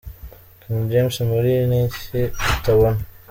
King James muri ’Ni iki utabona’